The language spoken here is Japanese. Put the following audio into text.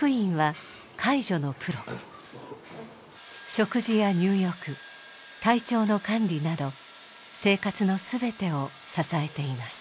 食事や入浴体調の管理など生活の全てを支えています。